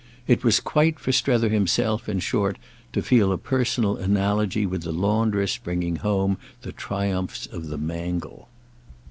It was quite for Strether himself in short to feel a personal analogy with the laundress bringing home the triumphs of the mangle.